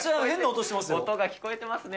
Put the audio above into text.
音が聞こえてますね。